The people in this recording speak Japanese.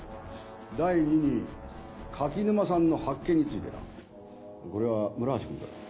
第二に垣沼さんの発見についてこれは村橋君から。